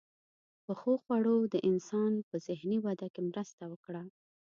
• پخو خوړو د انسان په ذهني وده کې مرسته وکړه.